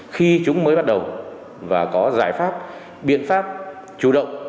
khi chúng mới bắt đầu và có giải pháp biện pháp chủ động